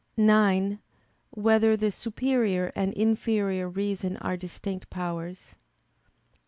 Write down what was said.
(9) Whether the superior and inferior reason are distinct powers?